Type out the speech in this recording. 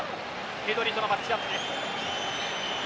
ペドリとのマッチアップです。